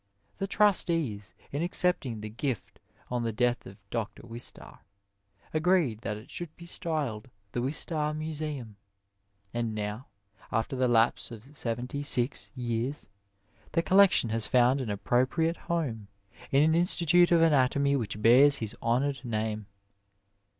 The trustees, in accepting the gift on the death of Dr. Wistar, agreed that it should be styled the Wistar Museum, and now, after the lapse of seventy six years, the collection has found an appro piiate home in an Institute of Anatomy which bears his honoured name.